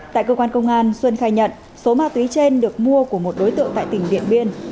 tại cơ quan công an xuân khai nhận số ma túy trên được mua của một đối tượng tại tỉnh điện biên